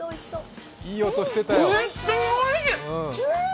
本当においしい！